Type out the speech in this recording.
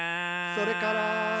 「それから」